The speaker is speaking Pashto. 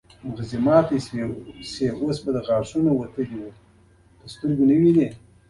په پخوانیو ټولګیو کې مو د لرګیو سرچینې او ځانګړتیاوې لوستلې.